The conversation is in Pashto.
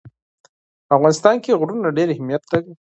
په افغانستان کې غرونه ډېر اهمیت لري.